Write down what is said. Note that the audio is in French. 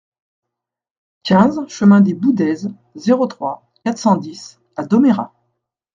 quinze chemin des Boudaises, zéro trois, quatre cent dix à Domérat